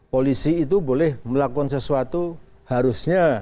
polisi itu boleh melakukan sesuatu harusnya